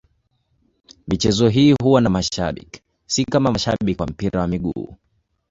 Michezo hii huwa na mashabiki, si kama mashabiki wa mpira wa miguu.